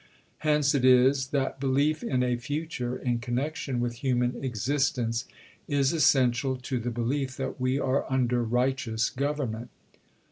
Hence it is that belief in a future in connexion with human existence is essential to the belief that we are under righteous government."